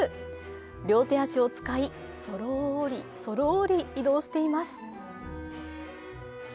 両手足を使い、そろりそろり移動しています。